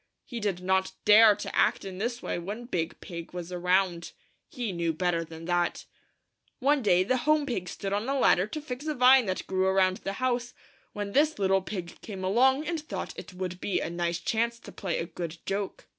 He did not dare to act in this way when Big Pig was around. He knew better than that. One day the Home Pig stood on a ladder to fix a vine that grew around the house, when this little pig came along and thought it would be a nice chance to play a good joke.